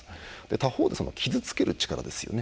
他方で、傷つける力ですよね。